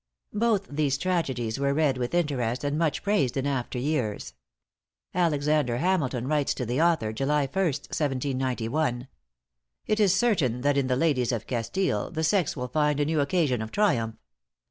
"= Both these tragedies were read with interest, and much praised in after years. Alexander Hamilton writes to the author, July ist, 1791: "It is certain that in the 'Ladies of Castile,' the sex will find a new occasion of triumph.